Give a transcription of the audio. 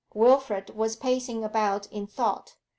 Wilfrid was pacing about in thought.